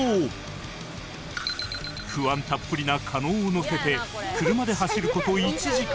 不安たっぷりな加納を乗せて車で走る事１時間